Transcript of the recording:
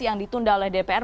yang ditunda oleh dpr